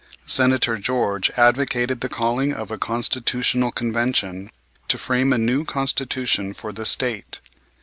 Senator George advocated the calling of a Constitutional Convention, to frame a new Constitution for the State.